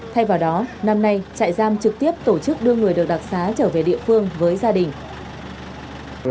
thay vào đó năm nay trại giam trực tiếp tổ chức đưa người được đặc xá trở về địa phương với gia đình